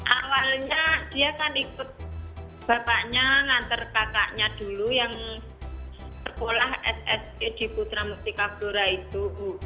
awalnya dia kan ikut bapaknya nganter kakaknya dulu yang tergolah sst di putra muti kavdora itu